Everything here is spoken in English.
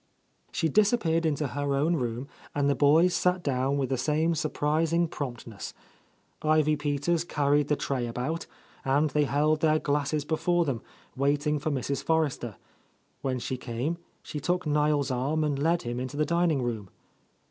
She disappeared Into her own room, and the boys sat down with the same surprising prompt ness. Ivy Peters carried the tray about, and they held their glasses before them, waiting for Mrs. Forrester. When she came, she took Niel's arm and led him into the dining room.